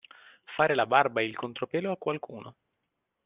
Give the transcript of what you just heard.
Fare la barba e il contropelo a qualcuno.